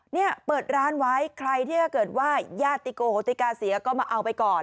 เนี่ยเปิดร้านไว้ใครที่ถ้าเกิดว่าญาติโกโหติกาเสียก็มาเอาไปก่อน